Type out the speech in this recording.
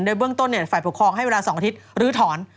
เบื้องต้นฝ่ายปกครองให้เวลา๒อาทิตย์ลื้อถอน